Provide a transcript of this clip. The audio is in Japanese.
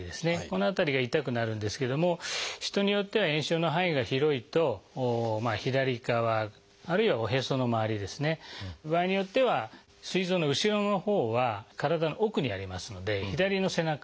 この辺りが痛くなるんですけども人によっては炎症の範囲が広いと左側あるいはおへその周りですね場合によってはすい臓の後ろのほうは体の奥にありますので左の背中